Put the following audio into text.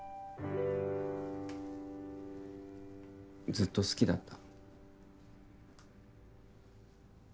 ずっと好きだった。